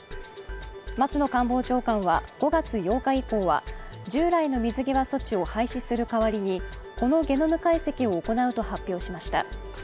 松野官房長官は５月８日以降は従来の水際措置を廃止する代わりに、このゲノム解析を行うと発表しました。